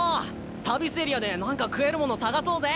サービスエリアでなんか食えるもの探そうぜ。